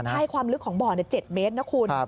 ใช่ความลึกของบ่อ๗เมตรนะคุณ